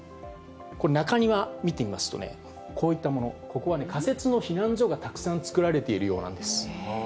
これ、中庭見てみますとね、こういったもの、ここは仮設の避難所がたくさん作られているようなんです。